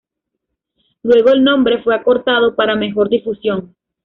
Luego, el nombre fue acortado para mejor difusión.